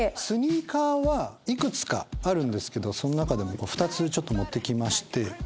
スニーカーはいくつかあるんですけどその中でも２つちょっと持って来まして。